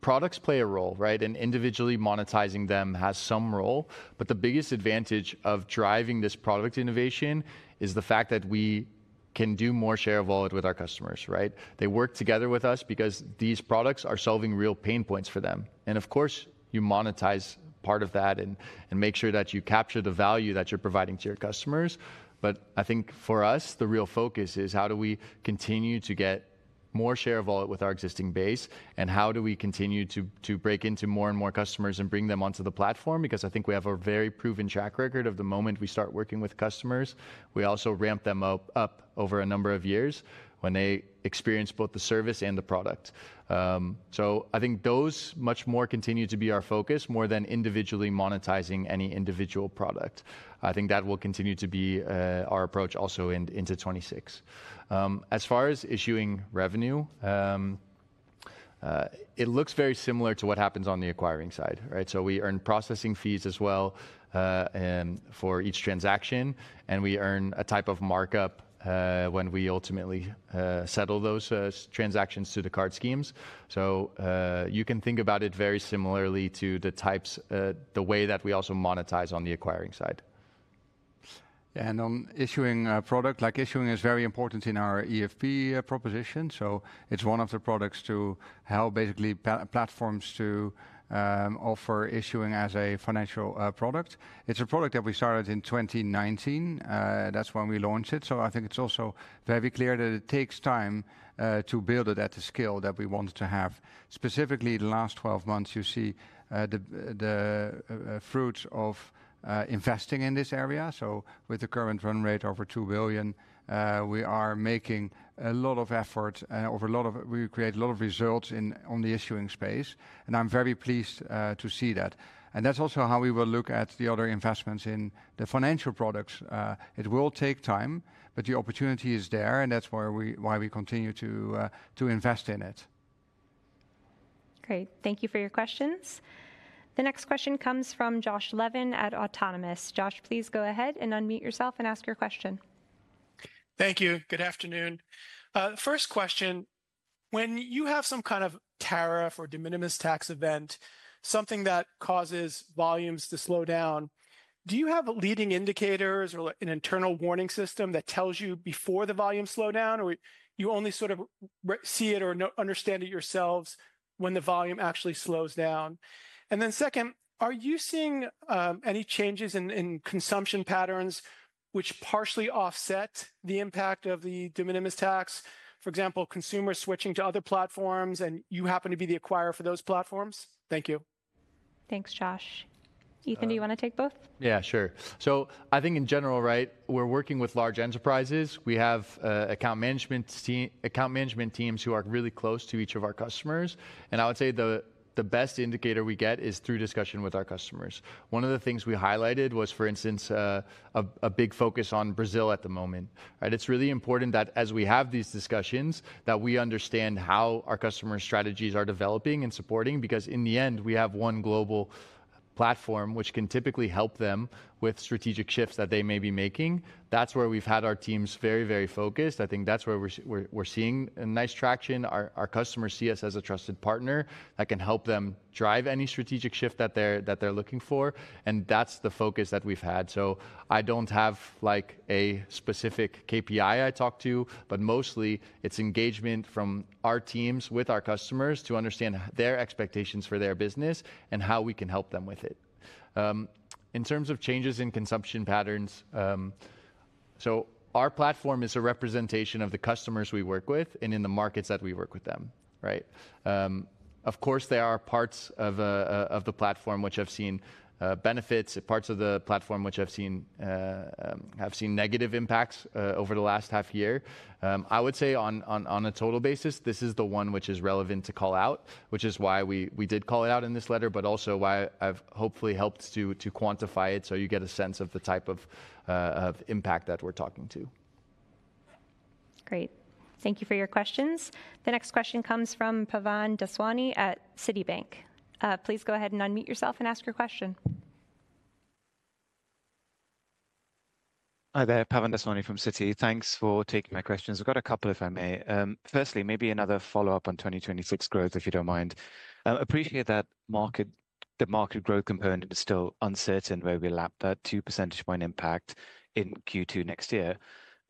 products play a role, right? Individually monetizing them has some role. The biggest advantage of driving this product innovation is the fact that we can do more share of wallet with our customers, right? They work together with us because these products are solving real pain points for them. Of course, you monetize part of that and make sure that you capture the value that you're providing to your customers. I think for us, the real focus is how do we continue to get more share of wallet with our existing base, and how do we continue to break into more and more customers and bring them onto the platform? I think we have a very proven track record of the moment we start working with customers. We also ramp them up over a number of years when they experience both the service and the product. I think those much more continue to be our focus, more than individually monetizing any individual product. I think that will continue to be our approach also into 2026. As far as issuing revenue, it looks very similar to what happens on the acquiring side, right? We earn processing fees as well for each transaction, and we earn a type of markup when we ultimately settle those transactions to the card schemes. You can think about it very similarly to the way that we also monetize on the acquiring side. Yeah, and on issuing a product, like issuing is very important in our EFP proposition. It's one of the products to help basically platforms to offer issuing as a financial product. It's a product that we started in 2019. That's when we launched it. I think it's also very clear that it takes time to build it at the scale that we wanted to have. Specifically, the last 12 months, you see the fruits of investing in this area. With the current run rate over 2 billion, we are making a lot of effort, we create a lot of results in the issuing space. I'm very pleased to see that. That's also how we will look at the other investments in the financial products. It will take time, but the opportunity is there, and that's why we continue to invest in it. Great. Thank you for your questions. The next question comes from Josh Levin at Autonomous. Josh, please go ahead and unmute yourself and ask your question. Thank you. Good afternoon. First question, when you have some kind of tariff or de minimis tax event, something that causes volumes to slow down, do you have leading indicators or an internal warning system that tells you before the volume slowed down, or do you only sort of see it or understand it yourselves when the volume actually slows down? Second, are you seeing any changes in consumption patterns which partially offset the impact of the de minimis tax? For example, consumers switching to other platforms, and you happen to be the acquirer for those platforms? Thank you. Thanks, Josh. Ethan, do you want to take both? Yeah, sure. I think in general, right, we're working with large enterprises. We have account management teams who are really close to each of our customers. I would say the best indicator we get is through discussion with our customers. One of the things we highlighted was, for instance, a big focus on Brazil at the moment. It's really important that as we have these discussions, we understand how our customer strategies are developing and supporting, because in the end, we have one global platform which can typically help them with strategic shifts that they may be making. That's where we've had our teams very, very focused. I think that's where we're seeing nice traction. Our customers see us as a trusted partner that can help them drive any strategic shift that they're looking for. That's the focus that we've had. I don't have like a specific KPI I talk to, but mostly it's engagement from our teams with our customers to understand their expectations for their business and how we can help them with it. In terms of changes in consumption patterns, our platform is a representation of the customers we work with and in the markets that we work with them, right? Of course, there are parts of the platform which have seen benefits, parts of the platform which have seen negative impacts over the last half year. I would say on a total basis, this is the one which is relevant to call out, which is why we did call it out in this letter, but also why I've hopefully helped to quantify it so you get a sense of the type of impact that we're talking to. Great. Thank you for your questions. The next question comes from Pavan Daswani at Citibank. Please go ahead and unmute yourself and ask your question. Hi there, Pavan Daswani from Citi. Thanks for taking my questions. I've got a couple if I may. Firstly, maybe another follow-up on 2026 growth if you don't mind. Appreciate that the market growth component is still uncertain where we'll lap that 2% impact in Q2 next year.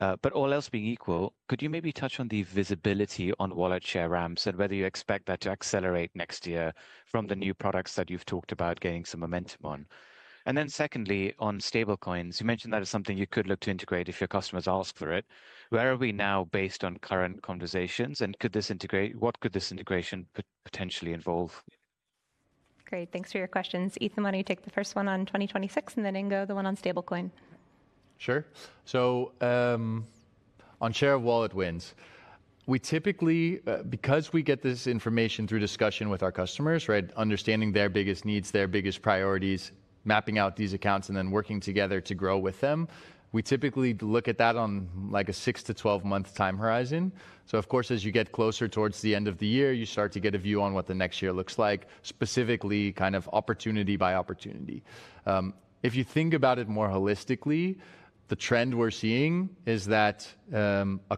All else being equal, could you maybe touch on the visibility on wallet share ramps and whether you expect that to accelerate next year from the new products that you've talked about gaining some momentum on? Secondly, on stablecoins, you mentioned that is something you could look to integrate if your customers ask for it. Where are we now based on current conversations and could this integrate? What could this integration potentially involve? Great. Thanks for your questions. Ethan, why don't you take the first one on 2026, and then Ingo, the one on stablecoin? Sure. On share of wallet wins, we typically, because we get this information through discussion with our customers, understanding their biggest needs, their biggest priorities, mapping out these accounts, and then working together to grow with them, we typically look at that on a six to 12-month time horizon. As you get closer towards the end of the year, you start to get a view on what the next year looks like, specifically kind of opportunity by opportunity. If you think about it more holistically, the trend we're seeing is that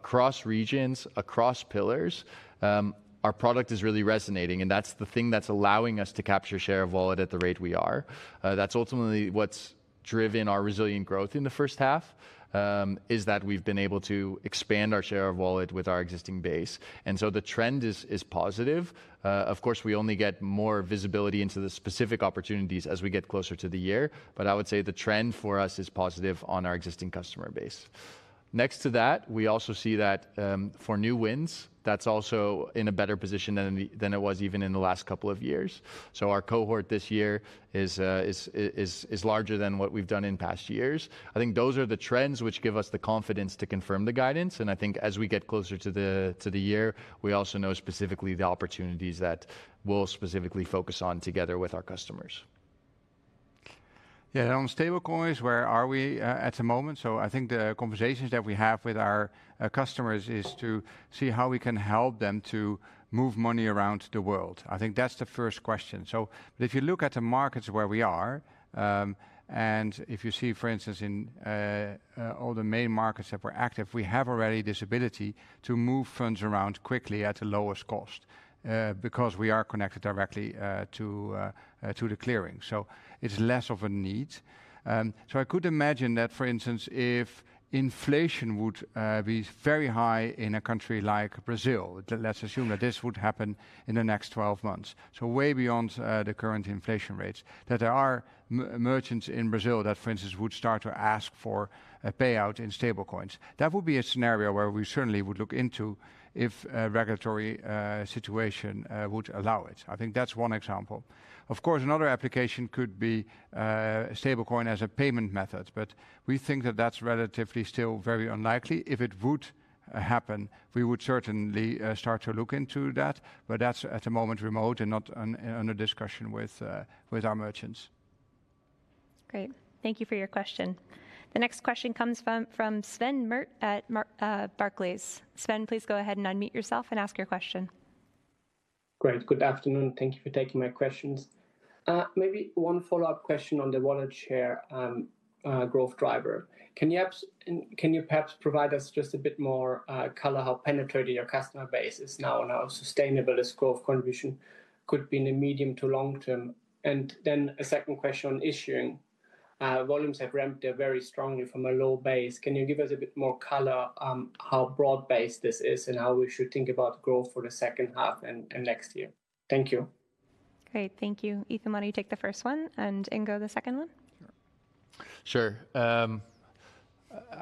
across regions, across pillars, our product is really resonating, and that's the thing that's allowing us to capture share of wallet at the rate we are. That's ultimately what's driven our resilient growth in the first-half, that we've been able to expand our share of wallet with our existing base. The trend is positive. We only get more visibility into the specific opportunities as we get closer to the year, but I would say the trend for us is positive on our existing customer base. Next to that, we also see that for new wins, that's also in a better position than it was even in the last couple of years. Our cohort this year is larger than what we've done in past years. I think those are the trends which give us the confidence to confirm the guidance, and as we get closer to the year, we also know specifically the opportunities that we'll specifically focus on together with our customers. Yeah, and on stablecoins, where are we at the moment? I think the conversations that we have with our customers are to see how we can help them to move money around the world. I think that's the first question. If you look at the markets where we are, and if you see, for instance, in all the main markets that we're active, we have already this ability to move funds around quickly at the lowest cost because we are connected directly to the clearing. It's less of a need. I could imagine that, for instance, if inflation would be very high in a country like Brazil, let's assume that this would happen in the next 12 months, way beyond the current inflation rates, that there are merchants in Brazil that, for instance, would start to ask for a payout in stablecoins. That would be a scenario where we certainly would look into if a regulatory situation would allow it. I think that's one example. Of course, another application could be a stablecoin as a payment method, but we think that that's relatively still very unlikely. If it would happen, we would certainly start to look into that, but that's at the moment remote and not under discussion with our merchants. Great. Thank you for your question. The next question comes from Sven Merkt at Barclays. Sven, please go ahead and unmute yourself and ask your question. Great. Good afternoon. Thank you for taking my questions. Maybe one follow-up question on the share of wallet growth driver. Can you perhaps provide us just a bit more color how penetrated your customer base is now or how sustainability growth contribution could be in the medium to long-term? A second question on issuing. Volumes have ramped up very strongly from a low base. Can you give us a bit more color on how broad-based this is and how we should think about growth for the second half and next year? Thank you. Great. Thank you. Ethan, why don't you take the first one and Ingo the second one? Sure.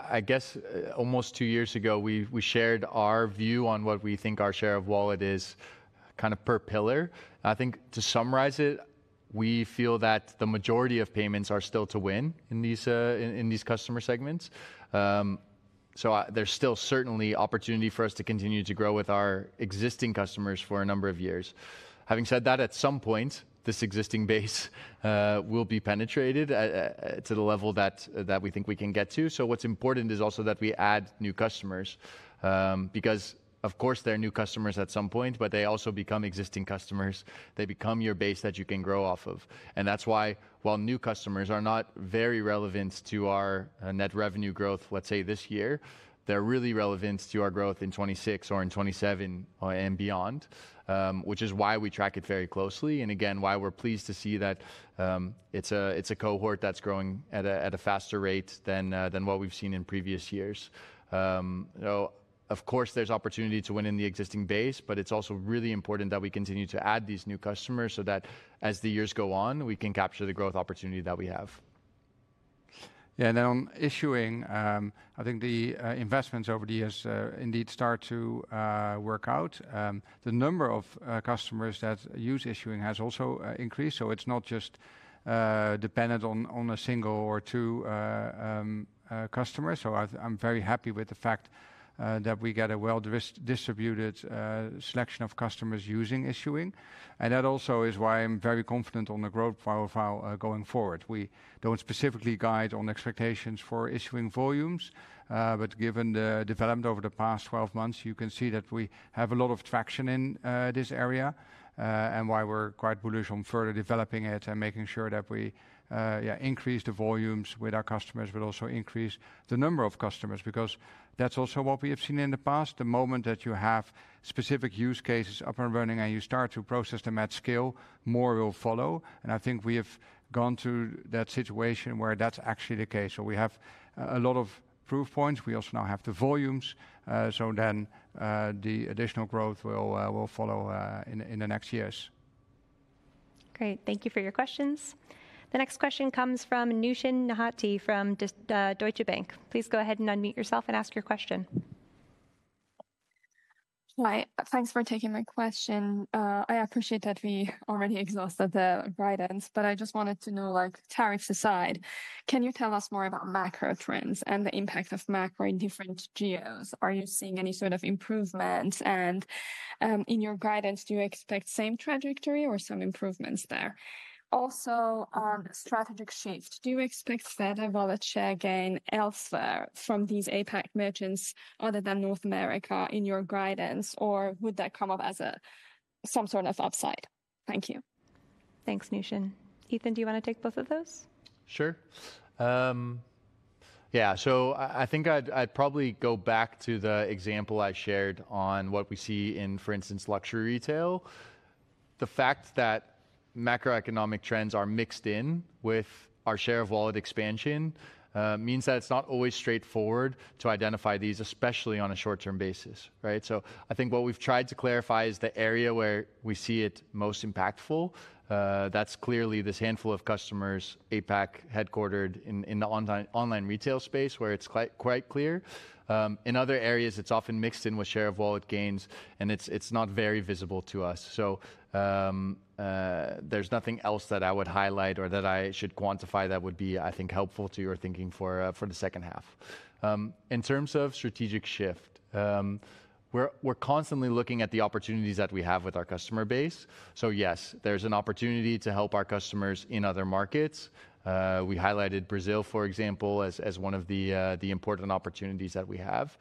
I guess almost two years ago, we shared our view on what we think our share of wallet is kind of per pillar. To summarize it, we feel that the majority of payments are still to win in these customer segments. There's still certainly opportunity for us to continue to grow with our existing customers for a number of years. Having said that, at some point, this existing base will be penetrated to the level that we think we can get to. What's important is also that we add new customers because, of course, they're new customers at some point, but they also become existing customers. They become your base that you can grow off of. That's why, while new customers are not very relevant to our net revenue growth, let's say this year, they're really relevant to our growth in 2026 or in 2027 and beyond, which is why we track it very closely. Again, we're pleased to see that it's a cohort that's growing at a faster rate than what we've seen in previous years. Of course, there's opportunity to win in the existing base, but it's also really important that we continue to add these new customers so that as the years go on, we can capture the growth opportunity that we have. Yeah, and then on issuing, I think the investments over the years indeed start to work out. The number of customers that use issuing has also increased. It's not just dependent on a single or two customers. I'm very happy with the fact that we get a well-distributed selection of customers using issuing. That also is why I'm very confident on the growth profile going forward. We don't specifically guide on expectations for issuing volumes, but given the development over the past 12 months, you can see that we have a lot of traction in this area and why we're quite bullish on further developing it and making sure that we increase the volumes with our customers, but also increase the number of customers because that's also what we have seen in the past. The moment that you have specific use cases up and running and you start to process them at scale, more will follow. I think we have gone to that situation where that's actually the case. We have a lot of proof points. We also now have the volumes. The additional growth will follow in the next years. Great. Thank you for your questions. The next question comes from Nooshin Nejati from Deutsche Bank. Please go ahead and unmute yourself and ask your question. Thanks for taking my question. I appreciate that we already exhausted the guidance, but I just wanted to know, like tariffs aside, can you tell us more about macro trends and the impact of macro in different geos? Are you seeing any sort of improvement? In your guidance, do you expect the same trajectory or some improvements there? Also, strategic shift, do you expect that a share of wallet gain elsewhere from these APAC merchants other than North America in your guidance, or would that come up as some sort of upside? Thank you. Thanks, Nooshin. Ethan, do you want to take both of those? Sure. Yeah, I think I'd probably go back to the example I shared on what we see in, for instance, luxury retail. The fact that macro-economic trends are mixed in with our share of wallet expansion means that it's not always straightforward to identify these, especially on a short-term basis, right? I think what we've tried to clarify is the area where we see it most impactful. That's clearly this handful of customers, APAC headquartered in the online retail space where it's quite clear. In other areas, it's often mixed in with share of wallet gains, and it's not very visible to us. There's nothing else that I would highlight or that I should quantify that would be, I think, helpful to your thinking for the second half. In terms of strategic shift, we're constantly looking at the opportunities that we have with our customer base. Yes, there's an opportunity to help our customers in other markets. We highlighted Brazil, for example, as one of the important opportunities that we have.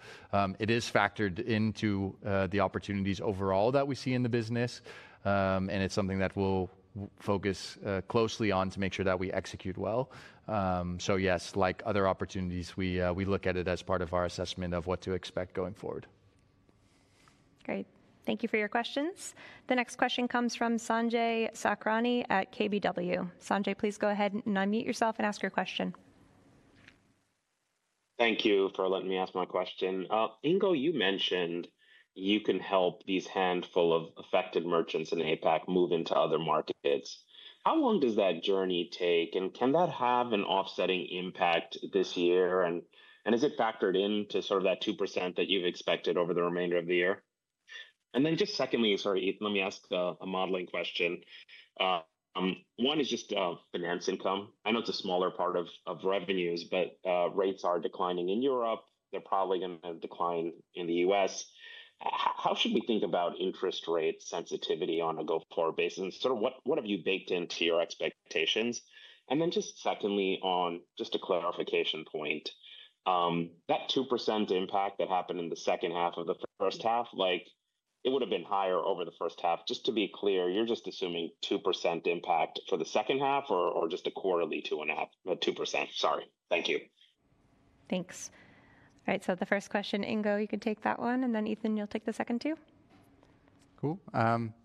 It is factored into the opportunities overall that we see in the business, and it's something that we'll focus closely on to make sure that we execute well. Yes, like other opportunities, we look at it as part of our assessment of what to expect going forward. Great. Thank you for your questions. The next question comes from Sanjay Sakhrani at KBW. Sanjay, please go ahead and unmute yourself and ask your question. Thank you for letting me ask my question. Ingo, you mentioned you can help these handful of affected merchants in APAC move into other markets. How long does that journey take, and can that have an offsetting impact this year, and is it factored into sort of that 2% that you've expected over the remainder of the year? Secondly, sorry, let me ask a modeling question. One is just finance income. I know it's a smaller part of revenues, but rates are declining in Europe. They're probably going to decline in the U.S. How should we think about interest rate sensitivity on a go-forward basis? Sort of what have you baked into your expectations? Secondly, on just a clarification point, that 2% impact that happened in the second-half of the first-half, like it would have been higher over the first-half. Just to be clear, you're just assuming 2% impact for the second-half or just a quarterly 2.5%, 2%? Sorry. Thank you. Thanks. All right, the first question, Ingo, you can take that one, and then Ethan, you'll take the second, too. Cool.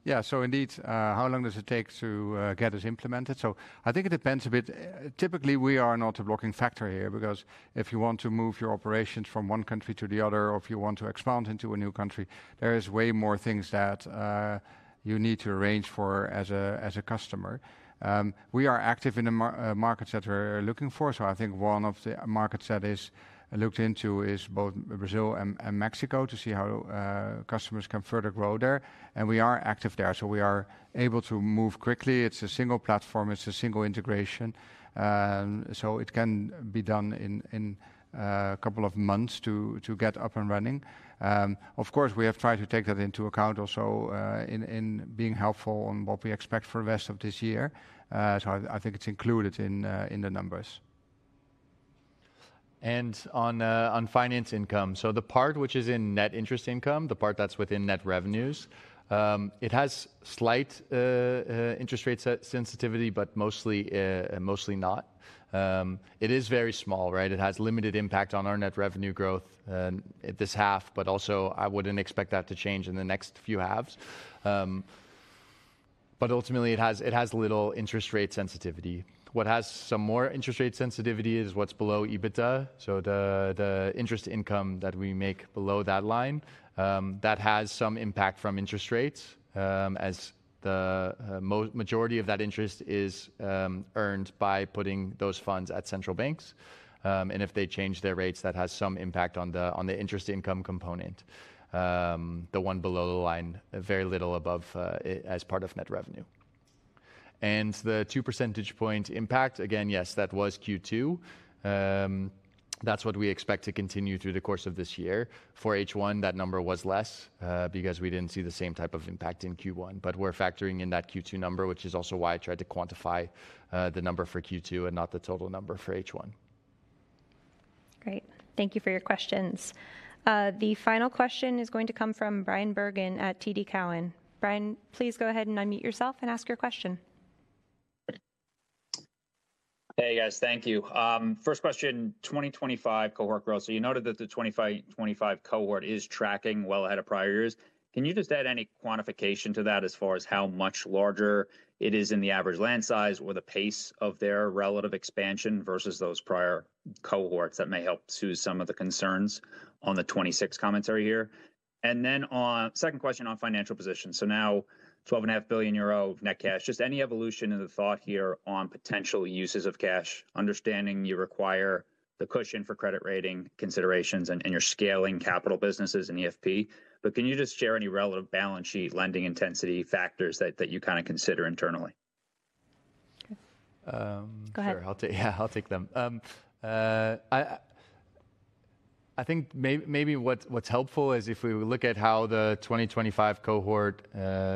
Yeah, so indeed, how long does it take to get this implemented? I think it depends a bit. Typically, we are an auto-blocking factor here because if you want to move your operations from one country to the other, or if you want to expound into a new country, there are way more things that you need to arrange for as a customer. We are active in the markets that we're looking for. I think one of the markets that is looked into is both Brazil and Mexico to see how customers can further grow there. We are active there, so we are able to move quickly. It's a single platform. It's a single integration. It can be done in a couple of months to get up and running. Of course, we have tried to take that into account also in being helpful on what we expect for the rest of this year. I think it's included in the numbers. On finance income, the part which is in net interest income, the part that's within net revenues, it has slight interest rate sensitivity, but mostly not. It is very small, right? It has limited impact on our net revenue growth at this half. I wouldn't expect that to change in the next few halves. Ultimately, it has little interest rate sensitivity. What has some more interest rate sensitivity is what's below EBITDA. The interest income that we make below that line has some impact from interest rates, as the majority of that interest is earned by putting those funds at central banks. If they change their rates, that has some impact on the interest income component. The one below the line, very little above as part of net revenue. The 2% impact, again, yes, that was Q2. That's what we expect to continue through the course of this year. For H1, that number was less because we didn't see the same type of impact in Q1. We're factoring in that Q2 number, which is also why I tried to quantify the number for Q2 and not the total number for H1. Great. Thank you for your questions. The final question is going to come from Bryan Bergin at TD Cowen. Bryan, please go ahead and unmute yourself and ask your question. Hey guys, thank you. First question, 2025 cohort growth. You noted that the 2025 cohort is tracking well ahead of prior years. Can you just add any quantification to that as far as how much larger it is in the average land size or the pace of their relative expansion versus those prior cohorts that may help soothe some of the concerns on the 2026 commentary here? On the second question on financial position, now, 12.5 billion euro of net cash, just any evolution in the thought here on potential uses of cash, understanding you require the cushion for credit rating considerations and your scaling capital businesses and EFP. Can you just share any relevant balance sheet lending intensity factors that you kind of consider internally? Go ahead. I'll take them. I think maybe what's helpful is if we look at how the 2025 cohort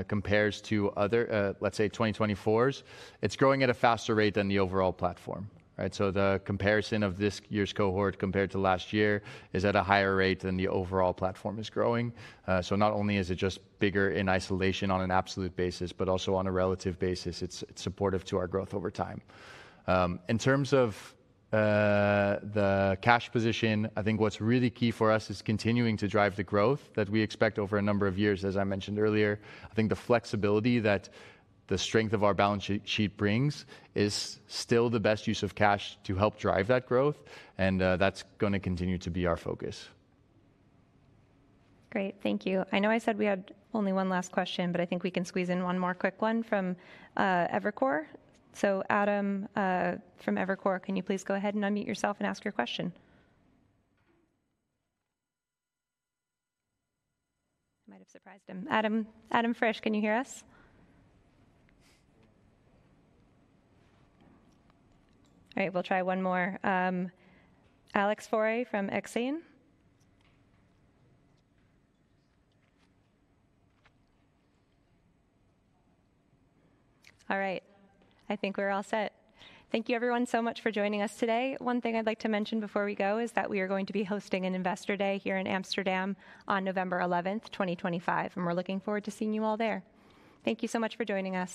compares to other, let's say, 2024s, it's growing at a faster rate than the overall platform, right? The comparison of this year's cohort compared to last year is at a higher rate than the overall platform is growing. Not only is it just bigger in isolation on an absolute basis, but also on a relative basis, it's supportive to our growth over time. In terms of the cash position, I think what's really key for us is continuing to drive the growth that we expect over a number of years, as I mentioned earlier. I think the flexibility that the strength of our balance sheet brings is still the best use of cash to help drive that growth, and that's going to continue to be our focus. Great, thank you. I know I said we had only one last question, but I think we can squeeze in one more quick one from Evercore. Adam, from Evercore, can you please go ahead and unmute yourself and ask your question? Adam Frisch, can you hear us? All right, we'll try one more. Alex Faure from Exane. All right, I think we're all set. Thank you, everyone, so much for joining us today. One thing I'd like to mention before we go is that we are going to be hosting an investor day here in Amsterdam on November 11th, 2025, and we're looking forward to seeing you all there. Thank you so much for joining us.